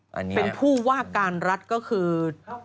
เป็นผู้ว่าการรัฐก็คือ